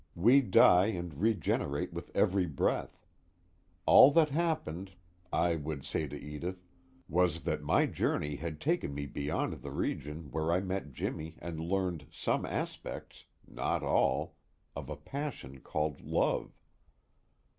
We die and regenerate with every breath. All that happened (I would say to Edith) was that my journey had taken me beyond the region where I met Jimmy and learned some aspects (not all) of a passion called love.